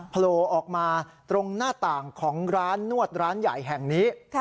โผล่ออกมาตรงหน้าต่างของร้านนวดร้านใหญ่แห่งนี้